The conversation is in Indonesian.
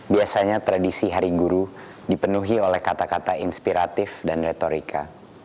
biasanya tradisi hari guru dipenuhi oleh kata kata inspiratif dan retorika